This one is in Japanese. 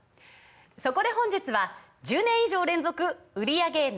そこで本日は１０年以上連続売り上げＮｏ．１